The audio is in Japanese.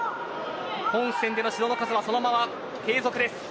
本戦での指導の数はそのまま継続です。